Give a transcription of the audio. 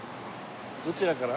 どちらから？